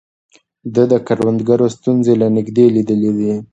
ده د کروندګرو ستونزې له نږدې ليدلې.